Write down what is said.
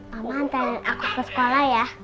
mama nanti aku ke sekolah ya